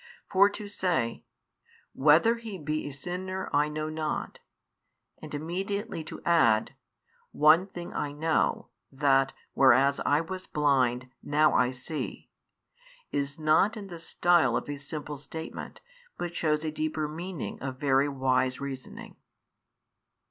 For to say: Whether he be a sinner I know not; and immediately to add: One thing I know, that, whereas I was Mind, now I see, is not in the style of a simple statement, but shews a deeper meaning of very wise reasoning.